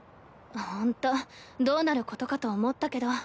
ほんとどうなることかと思ったけど。